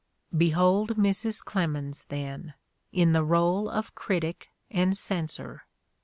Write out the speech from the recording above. Behold Mrs. Clemens, then, in the role of critic and censor.